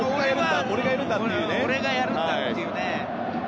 俺がやるんだっていうね。